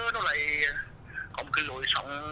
nó lại có một cái lối sống